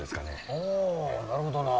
おおなるほどな。